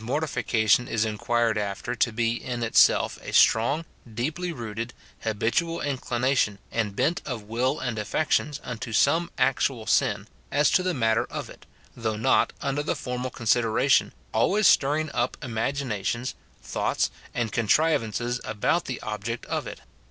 191 mortification is inquired after to be in itself a strong, deeply rooted, habitual inclination and bent of will and affections unto some actual sin, as to the matter of it, though not, under that formal consideration, always stirring up imaginations, thoughts, and contrivances about the object of it.